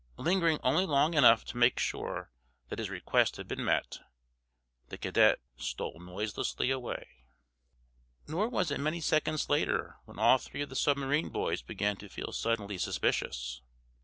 Lingering only long enough to make sure that his request had been met, the cadet stole noiselessly away. Nor was it many seconds later when all three of the submarine boys began to feel suddenly suspicious.